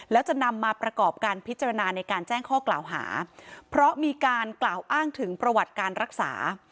แล้วจะนำมาประกอบการพิจารณาในการแจ้งข้อกล่าวหาเพราะมีการกล่าวอ้างถึงประวัติการรักษา